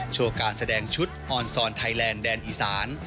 โชว์การแสดงชุดออนซอนไทยแลนด์แดนอีสาน